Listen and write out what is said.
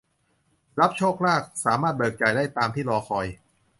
รับโชคลาภ สามารถเบิกจ่ายได้ตามที่รอคอย